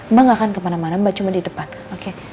mbak gak akan kemana mana mbak cuma di depan oke